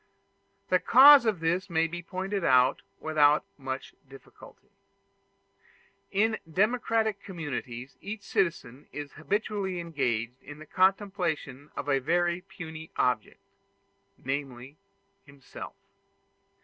The cause of this may be pointed out without much difficulty. In democratic communities each citizen is habitually engaged in the contemplation of a very puny object, namely himself.